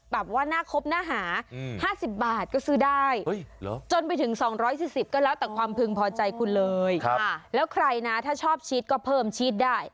แบบว่าหน้าครบหน้าหา๕๐บาทก็ซื้อได้จนไปถึง๒๔๐ก็แล้วแต่ความพึงพอใจคุณเลยแล้วใครนะถ้าชอบชีสก็เพิ่มชีสได้